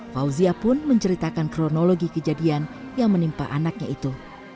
fauzia pun menceritakan kronologi kejadian yang menimpa anaknya itu